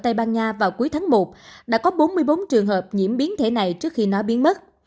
tây ban nha vào cuối tháng một đã có bốn mươi bốn trường hợp nhiễm biến thể này trước khi nó biến mất